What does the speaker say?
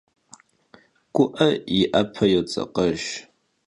Gu'e yi 'epe yodzekhejj.